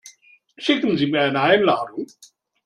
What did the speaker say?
Schicken Sie mir eine Einladung?